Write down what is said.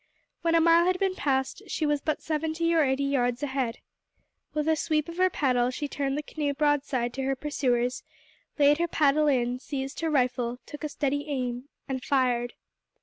When a mile had been passed she was but seventy or eighty yards ahead. With a sweep of her paddle she turned the canoe broadside to her pursuers, laid her paddle in, seized her rifle, took a steady aim, and fired.